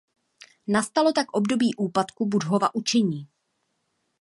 Nastalo tak období úpadku Buddhova učení.